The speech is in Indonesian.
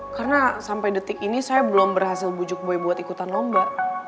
karena sampai detik ini saya belum berhasil bujuk boy buat ikutan lomba